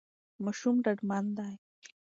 ماشوم ډاډمن دی.